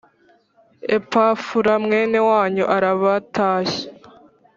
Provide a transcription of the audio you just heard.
Epafura mwene wanyu arabatashya